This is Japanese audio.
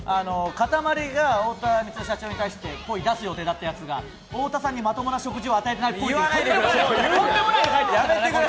かたまりが太田光代社長に対してっぽいを出す予定だったやつが太田さんにまともな食事与えてないっぽい。